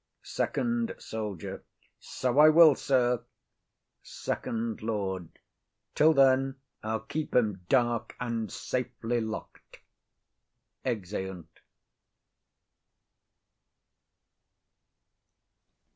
SECOND SOLDIER. So I will, sir. FIRST LORD. Till then I'll keep him dark, and safely lock'd. [_Exeunt.